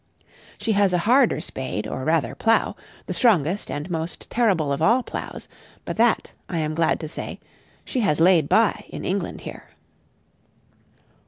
She has a harder spade, or rather plough, the strongest and most terrible of all ploughs; but that, I am glad to say, she has laid by in England here.